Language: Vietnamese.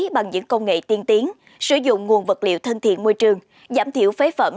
bằng những công nghệ tiên tiến sử dụng nguồn vật liệu thân thiện môi trường giảm thiểu phế phẩm